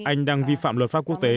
anh đang vi phạm luật pháp quốc tế